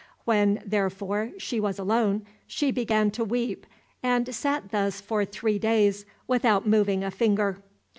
When therefore she was alone, she began to weep, and sat thus for three days without moving a finger.